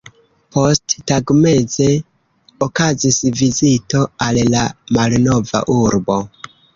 Posttagmeze okazis vizito al la malnova urbo.